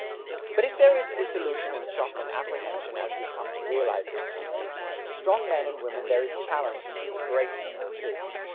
But if there is disillusion and shock and apprehension as we come to realize these changes, to strong men and women there is challenge and inspiration in them too.